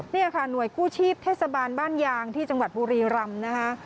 นี่ค่ะหน่วยกู้ชีพเทศบาลบ้านยางที่จังหวัดบุรีรำนะคะ